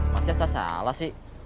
masih salah sih